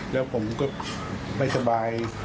แล้วผมก็ไม่สบาย